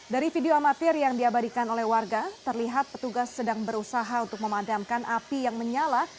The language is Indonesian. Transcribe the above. dari video amatir yang diabadikan oleh warga terlihat petugas sedang berusaha untuk memadamkan api yang menyala